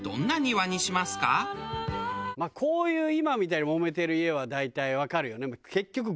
こういう今みたいに揉めてる家は大体わかるよね。